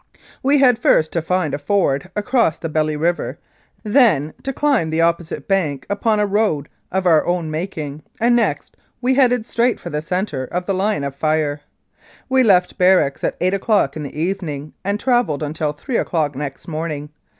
We had first to find a ford across the Belly River, then to climb the opposite bank upon a road of our own making, and next we headed straight for the centre of the line of fire. We left barracks at eight o'clock in the evening, and travelled until three o'clock next morning.